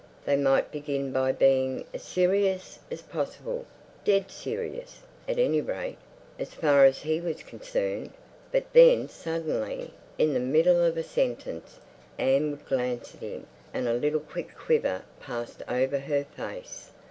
They might begin by being as serious as possible, dead serious—at any rate, as far as he was concerned—but then suddenly, in the middle of a sentence, Anne would glance at him, and a little quick quiver passed over her face.